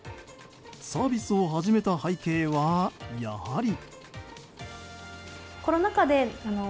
サービスを始めた背景はやはり。